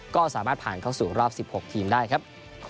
ก็สามารถผ่านเข้าสู่รอบ๑๖ทีมได้ครับ